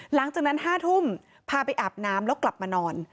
หลังจากนั้น๕ทุ่มพาไปอาบน้ำแล้วกลับมานอน